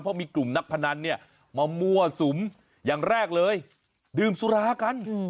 เพราะมีกลุ่มนักพนันเนี่ยมามั่วสุมอย่างแรกเลยดื่มสุรากัน